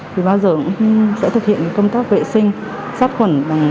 thì bao giờ cũng sẽ thực hiện công tác vệ sinh sát quẩn bằng cồn chín mươi